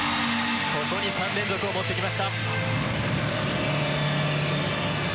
ここに３連続を持ってきました。